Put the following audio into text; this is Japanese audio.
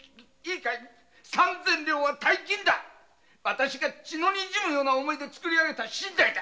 私が血のにじむような思いで作りあげた身代だ。